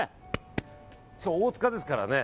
しかも大塚ですからね。